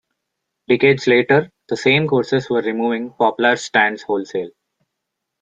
Decades later the same courses were removing Poplars stands wholesale.